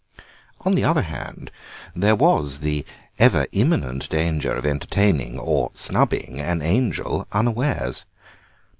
On the other hand, there was the ever imminent danger of entertaining, and snubbing, an angel unawares.